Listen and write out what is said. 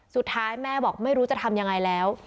สุดท้ายแม่บอกไม่รู้จะทำยังไงแล้ว